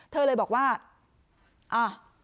เธอเลยบอกว่าอ่ะ